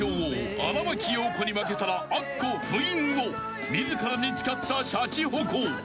荒牧陽子に負けたらアッコ封印を自らに誓ったシャチホコ］